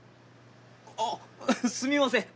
あっすみません。